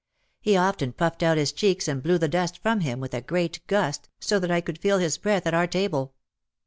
He often puffed out his cheeks and blew the dust from him with a great gust so that I could feel his breath at our table.